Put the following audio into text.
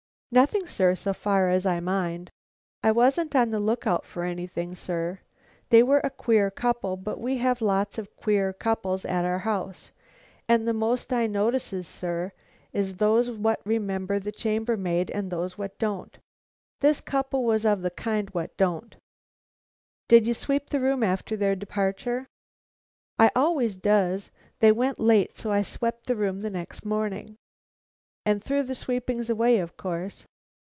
"Nothing, sir, so far as I mind. I wasn't on the look out for anything, sir. They were a queer couple, but we have lots of queer couples at our house, and the most I notices, sir, is those what remember the chambermaid and those what don't. This couple was of the kind what don't." "Did you sweep the room after their departure?" "I always does. They went late, so I swept the room the next morning." "And threw the sweepings away, of course?"